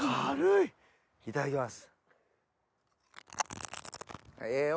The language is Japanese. いただきます。